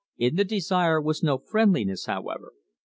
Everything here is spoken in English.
In the desire was no friendliness, however.